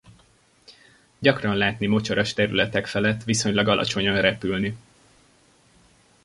Gyakran látni mocsaras területek felett viszonylag alacsonyan repülni.